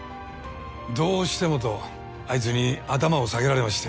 どうしてもとあいつに頭を下げられまして。